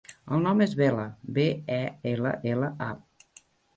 El nom és Bella: be, e, ela, ela, a.